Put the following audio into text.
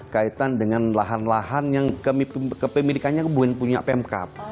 kaitan dengan lahan lahan yang kepemilikannya punya pemkap